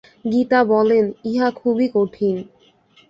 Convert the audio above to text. গীতা বলেন, ইহা খুবই কঠিন।